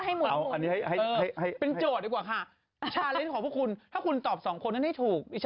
แองจี้ทำไมเมื่อกี้บอกสองคนแล้ววะ